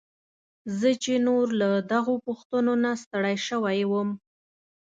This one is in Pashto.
زه چې نور له دغو پوښتنو نه ستړی شوی وم.